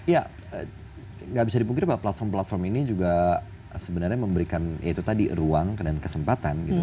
ya nggak bisa dipungkiri pak platform platform ini juga sebenarnya memberikan ya itu tadi ruang dan kesempatan gitu